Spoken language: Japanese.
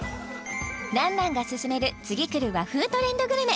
爛々が薦める次くる和風トレンドグルメ